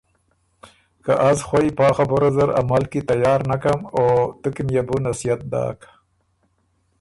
که از خوئ پا خبُره زر عمل کی تیار نکم او تُو کی ميې بو نصیحت داک